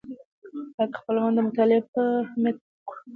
باید خپلوان د مطالعې په اهمیت پوه کړو.